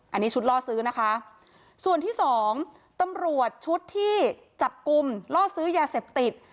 อันนี้ชุดล่อซื้อนะคะส่วนที่สองตำรวจชุดที่จับกลุ่มล่อซื้อยาเสพติด